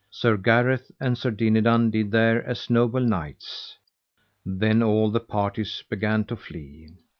Sir Gareth and Sir Dinadan did there as noble knights; then all the parties began to flee.